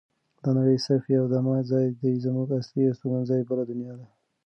دا نړۍ صرف یو دمه ځای دی زمونږ اصلي استوګنځای بله دنیا ده.